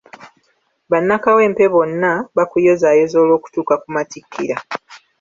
Bannakawempe bonna, bakuyozaayoza olwokutuuka ku matikkira .